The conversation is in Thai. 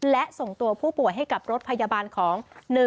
และส่งตัวผู้ป่วยให้กับรถพยาบาลของ